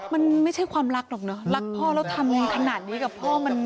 มันไม่ใช่ความรักหรอกเนอะรักพ่อแล้วทำกันขนาดนี้กับพ่อมัน